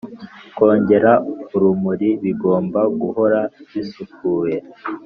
kongera urumuri bigomba guhora bisukuye